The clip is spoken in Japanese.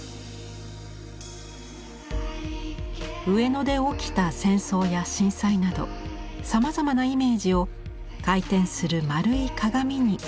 上野で起きた戦争や震災などさまざまなイメージを回転する丸い鏡に反射させているのです。